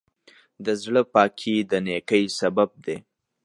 د زړۀ پاکي د نیکۍ سبب دی.